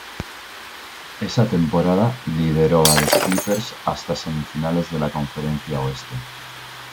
Esa temporada lideró a los Clippers hasta semifinales de la conferencia oeste.